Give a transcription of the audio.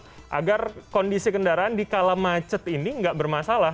membawa kendaraan baik motor maupun mobil agar kondisi kendaraan di kala macet ini tidak bermasalah